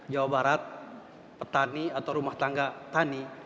jawa barat petani atau rumah tangga tani